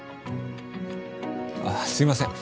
あぁすいません